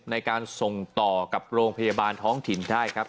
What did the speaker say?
ในการส่งต่อกับโรงพยาบาลท้องถิ่นได้ครับ